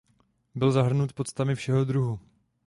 Byl zahrnut poctami všeho druhu.